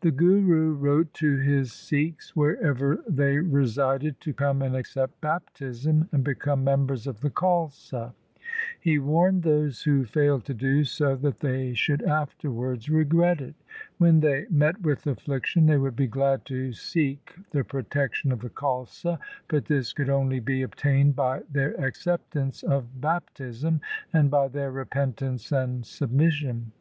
2 The Guru wrote to his Sikhs wherever they resided to come and accept baptism, and become members of the Khalsa. He warned those who failed to do so that they should afterwards regret it. When they met with affliction, they would be glad to seek the protection of the Khalsa, but this could only be obtained by their acceptance of baptism and by their repentance and submission.